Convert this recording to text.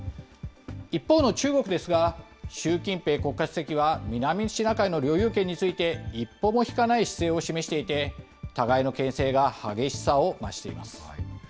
一方の中国ですが、習近平国家主席は、南シナ海の領有権について、一歩も引かない姿勢を示していて、互いのけん制が激しさを増しています。